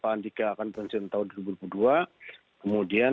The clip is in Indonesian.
dan kemudian kapils bet multire sensi yang setelah mulai beraihung sudah memutuskan